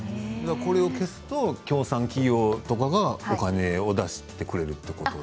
Ｃを消すと協賛企業とかがお金を出してくれるの？